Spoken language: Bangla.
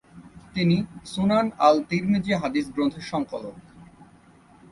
তিনি সুনান আল-তিরমিজী হাদিস গ্রন্থের সংকলক।